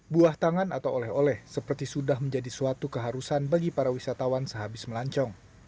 buah tangan atau oleh oleh seperti sudah menjadi suatu keharusan bagi para wisatawan sehabis melancong